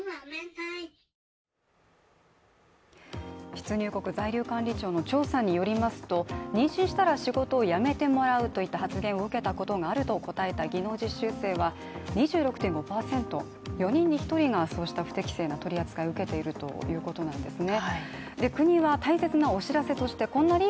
出入国在留管理庁の調査によりますと妊娠したら仕事を辞めてもらうという発言を受けたことがあると答えた技能実習生は２６．５％、４人に１人が、そうした不適正な取り扱いを受けているということなんですね。